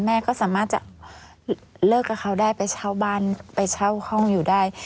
แม่ก็สามารถจะเลิกกับเขาได้ไปเช่าบ้านไปเช่าห้องอยู่ได้